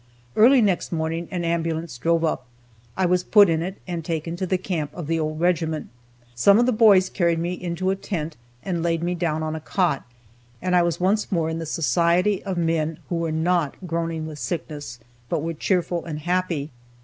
Early next morning an ambulance drove up, I was put in it, and taken to the camp of the old regiment. Some of the boys carried me into a tent, and laid me down on a cot, and I was once more in the society of men who were not groaning with sickness, but were cheerful and happy.